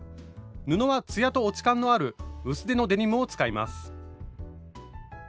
布はツヤと落ち感のある薄手のデニムを使います。